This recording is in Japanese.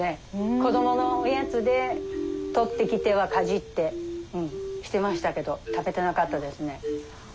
子どものおやつで採ってきてはかじってしてましたけど食べてなかったですね。